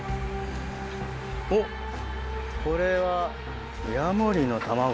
おっこれは。